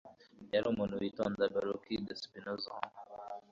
Yari umuntu witonda Baruki de Spinoza